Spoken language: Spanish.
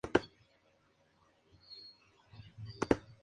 Es la sección más famosa debido al desarrollo de sus servicios e infraestructura.